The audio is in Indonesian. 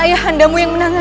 bagaimana ayah juga